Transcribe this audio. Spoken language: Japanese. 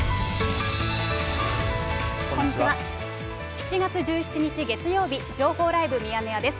７月１７日月曜日、情報ライブミヤネ屋です。